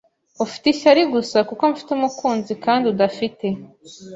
Ufite ishyari gusa ko mfite umukunzi kandi udafite.